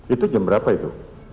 itu jam berapa itu